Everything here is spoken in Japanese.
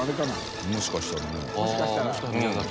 もしかしたら宮崎。